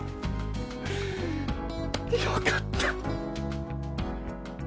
よかった。